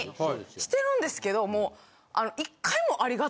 してるんですけども。